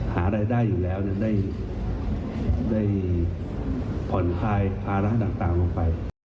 หารายได้อยู่แล้วได้ผ่อนคลายภาระต่างลงไป